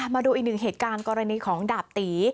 มาดูอีกหนึ่งเหตุการณ์กรณีของดาบตี